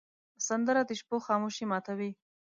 سندره د شپو خاموشي ماتوې